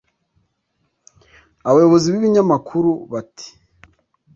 abayobozi b’ibinyamakuru bati